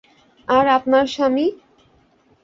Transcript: আর আপনার স্বামী?